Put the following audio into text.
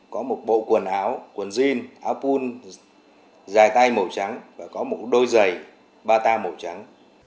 có một bộ quần áo quần jean áo pul dài tay màu trắng và có một đôi giày bata màu trắng